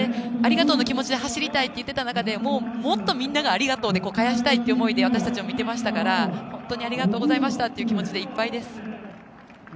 ありがとうという気持ちで走りたいと話していた中でもう、もっとみんながありがとうで返したいという思いで私たちも見てましたから本当にありがとうございましたという気持ちでいっぱいです。